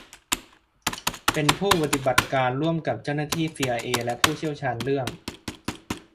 เป็นผู้ปฏิบัติการร่วมกับเจ้าหน้าที่ซีไอเอและผู้เชี่ยวชาญเรื่อง